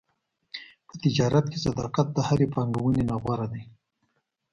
په تجارت کې صداقت د هرې پانګونې نه غوره دی.